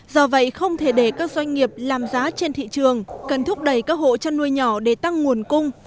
do vậy không thể để các doanh nghiệp làm giá trên thị trường cần thúc đẩy các hộ chăn nuôi nhỏ để tăng nguồn cung